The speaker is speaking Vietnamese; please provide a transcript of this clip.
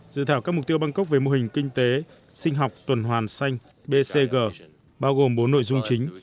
dự thảo các mục tiêu bangkok về mô hình kinh tế sinh học tuần hoàn xanh bcg bao gồm bốn nội dung chính